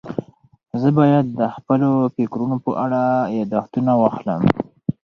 زه باید د خپلو فکرونو په اړه یاداښتونه واخلم.